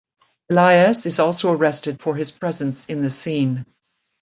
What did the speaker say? Elias is also arrested for his presence in the scene.